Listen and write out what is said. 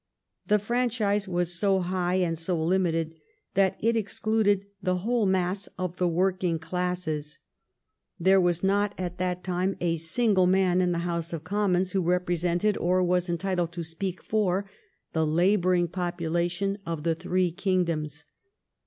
The franchise was so high and so limited that it excluded the whole mass of the working classes. There was not at that time a single man in the House of Commons who represented, or was en titled to speak for, the laboring population of the three kingdoms.